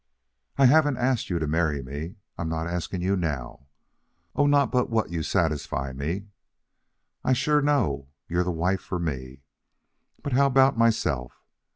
I haven't asked you to marry me. I'm not asking you now. Oh, not but what you satisfy me. I sure know you're the wife for me. But how about myself?